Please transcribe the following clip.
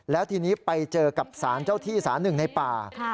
แล้วทีนี้ไปเจอกับสารเจ้าที่สารหนึ่งในป่า